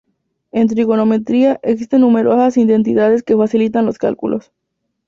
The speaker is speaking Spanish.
En trigonometría, existen numerosas identidades que facilitan los cálculos.